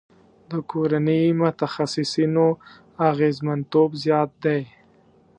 د کورني متخصصینو اغیزمنتوب زیات دی.